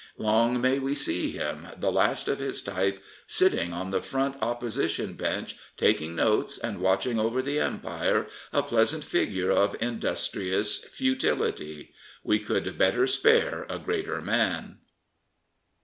Long may we see him, the last of his type, sitting on the Front Opposition Bench taking notes and watching over the Empire, a pleasant figure of industrious futility. We could better spare a greater man.